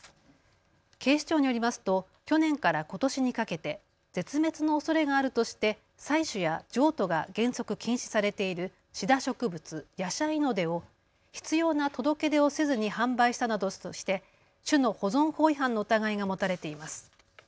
警視庁によりますと去年からことしにかけて絶滅のおそれがあるとして採取や譲渡が原則禁止されているシダ植物、ヤシャイノデを必要な届け出をせずに販売したなどとして種の保存法違反の疑いが持たれています。